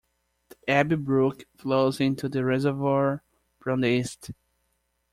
The Abbey Brook flows into the reservoir from the east.